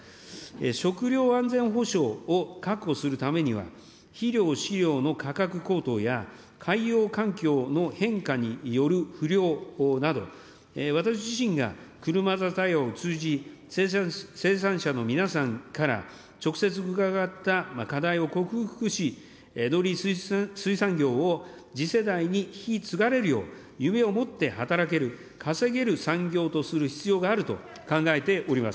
食料安全保障を確保するためには、肥料、飼料の価格高騰や、海洋環境の変化による不漁など、私自身が車座対話を通じ、生産者の皆さんから直接伺った課題を克服し、農林水産業を次世代に引き継がれるよう、夢を持って働ける、稼げる産業とする必要があると考えております。